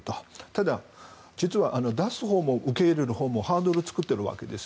ただ、実は出すほうも受け入れるほうもハードルを作っているわけです。